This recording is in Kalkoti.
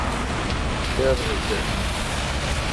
شردہ دے۔